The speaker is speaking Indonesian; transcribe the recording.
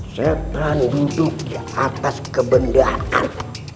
setan duduk di atas kebendaan